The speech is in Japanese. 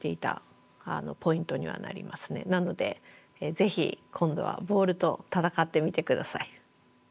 なのでぜひ今度はボールと戦ってみて下さい。